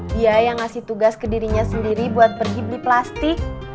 dia yang ngasih tugas ke dirinya sendiri buat pergi beli plastik